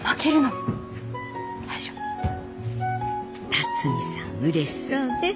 龍己さんうれしそうね。